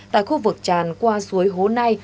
tại khu vực tràn qua suối hố nai